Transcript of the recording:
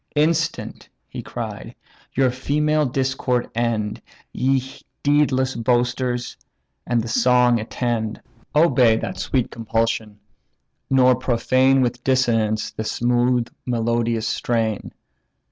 "Instant (he cried) your female discord end, Ye deedless boasters! and the song attend; Obey that sweet compulsion, nor profane With dissonance the smooth melodious strain.